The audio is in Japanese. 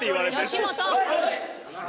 吉本！